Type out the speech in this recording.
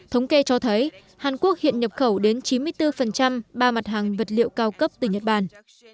thống kê cho thấy hàn quốc hiện nhập khẩu đến chín mươi bốn ba mặt hàng vật liệu cao cấp từ nhật bản